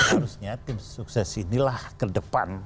harusnya tim sukses inilah kedepan